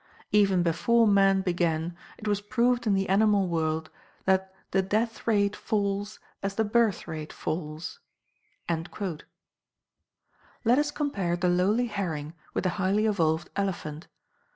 Even before man began it was proved in the animal world that THE DEATH RATE FALLS AS THE BIRTH RATE FALLS." Let us compare the lowly herring with the highly evolved elephant.